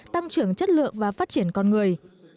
tăng trưởng chất lượng và phát triển con người